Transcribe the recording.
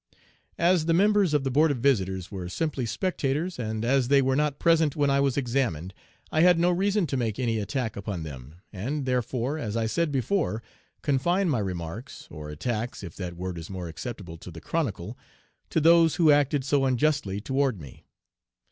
"As the members of the Board of Visitors were simply spectators, and as they were not present when I was examined, I had no reason to make any 'attack' upon them, and, therefore, as I said before, confined my remarks (or 'attacks,' if that word is more acceptable to the Chronicle) to those who acted so unjustly toward me.